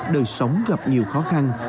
đời sống gặp nhiều khó khăn